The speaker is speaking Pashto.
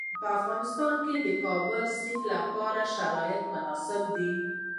په افغانستان کې د کابل سیند لپاره شرایط مناسب دي.